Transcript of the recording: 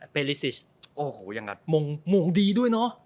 เปรริสิชมงดีด้วยเนอะ